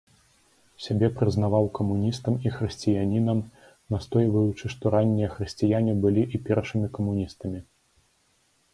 Сябе прызнаваў камуністам і хрысціянінам, настойваючы, што раннія хрысціяне былі і першымі камуністамі.